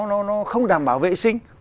nó không đảm bảo vệ sinh